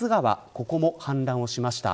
ここも氾濫しました。